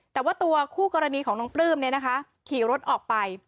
แต่ว่าตัวคู่กรณีของน้องปลื้มขี่รถออกไป